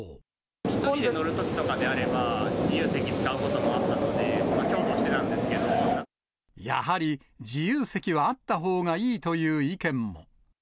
１人で乗るときとかであれば、自由席使うこともあったので、やはり自由席はあったほうがいいという意見も。